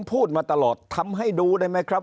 พูดมาตลอดทำให้ดูได้ไหมครับ